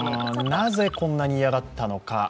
なぜ、こんなに嫌がったのか。